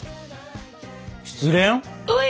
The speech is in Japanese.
失恋？